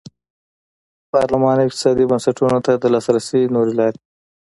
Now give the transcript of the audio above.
پارلمان او اقتصادي بنسټونو ته د لاسرسي نورې لارې.